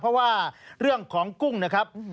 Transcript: เพราะว่าเรื่องของกุ้งนะครับ